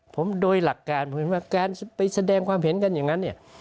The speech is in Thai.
ผมโดยหลักการไปแสดงความเห็นกันอย่างนั้น